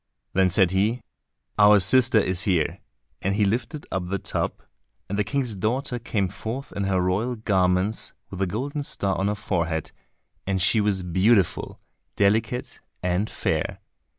Then said he, "Our sister is here," and he lifted up the tub, and the King's daughter came forth in her royal garments with the golden star on her forehead, and she was beautiful, delicate and fair.